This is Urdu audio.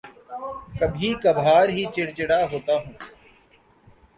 کبھی کبھار ہی چڑچڑا ہوتا ہوں